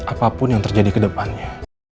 apapun yang terjadi kedepannya